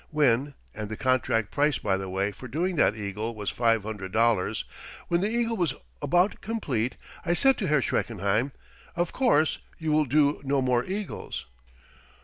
When and the contract price, by the way, for doing that eagle was five hundred dollars when the eagle was about completed, I said to Herr Schreckenheim, 'Of course you will do no more eagles?'